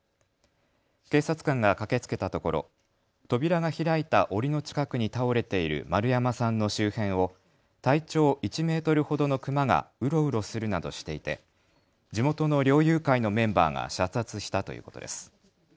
警察官が駆けつけたところ扉が開いたおりの近くに倒れている丸山さんの周辺を体長１メートルほどのクマがうろうろするなどしていて地元の猟友会のメンバーが射殺したということです。